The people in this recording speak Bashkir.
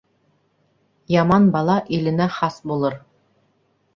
Яман бала иленә хас булыр.